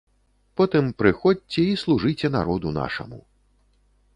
Потым прыходзьце і служыце народу нашаму.